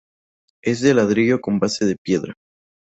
Es de ladrillo con base de piedra.